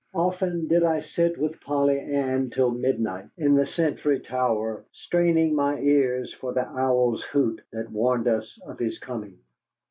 Often did I sit with Polly Ann till midnight in the sentry's tower, straining my ears for the owl's hoot that warned us of his coming.